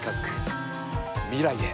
未来へ。